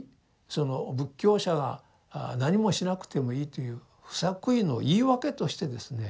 その仏教者が何もしなくてもいいという不作為の言い訳としてですね